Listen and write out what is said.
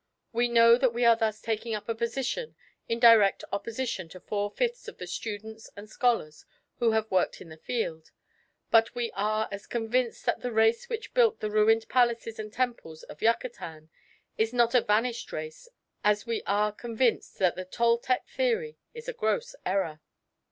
We know that we are thus taking up a position in direct opposition to four fifths of the students and scholars who have worked in the field; but we are as convinced that the race which built the ruined palaces and temples of Yucatan is not a vanished race as we are convinced that the Toltec theory is a gross error.